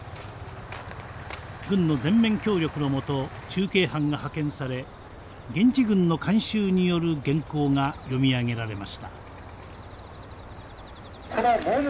軍の全面協力の下中継班が派遣され現地軍の監修による原稿が読み上げられました。